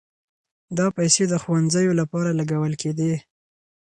دا پيسې د ښوونځيو لپاره لګول کېدې.